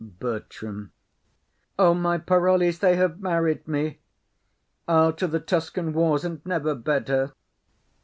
BERTRAM. O my Parolles, they have married me! I'll to the Tuscan wars, and never bed her.